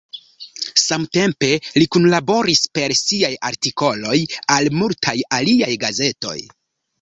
Samtempe li kunlaboris per siaj artikoloj al multaj aliaj gazetoj.